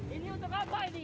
ini untuk apa ini